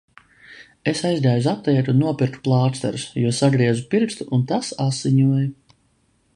Es aizgāju uz aptieku un nopirku plāksterus, jo sagriezu pirkstu un tas asiņoja.